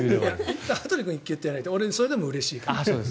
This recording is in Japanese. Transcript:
羽鳥君、１球って言ってもそれでもうれしいから。